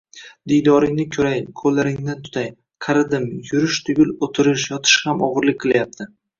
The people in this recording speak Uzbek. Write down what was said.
Diydoringni koʻray, qoʻllaringdan tutay. Qaridim, yurish tugul, oʻtirish, yotish ham ogʻirlik qilyapti.